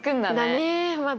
だねまだ。